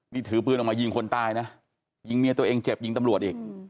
นี่ถือปืนออกมายิงคนตายนะยิงเมียตัวเองเจ็บยิงตำรวจอีก